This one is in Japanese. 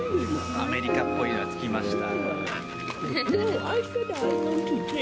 アメリカっぽいやつ来ました